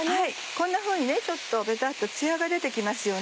こんなふうにベタっとつやが出て来ますよね。